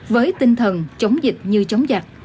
với tinh thần chống dịch như trước